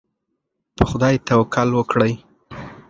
په خدای توکل وکړئ.